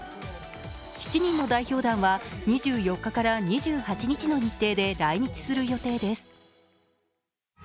７人の代表団は２４日から２８日の日程で来日する予定です。